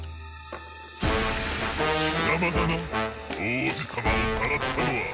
きさまだな王子様をさらったのは。